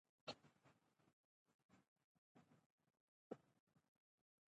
نړۍ د عمل ډګر دی.